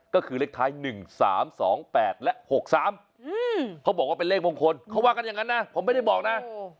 ก็คือเลขท้าย๑๓๒๘และ๖๓เขาบอกว่าเป็นเลขมงคลเขาว่ากันอย่างนั้นนะผมไม่ได้บอกนะ